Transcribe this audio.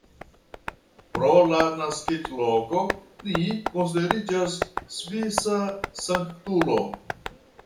Pro la naskiĝloko li konsideriĝas svisa sanktulo.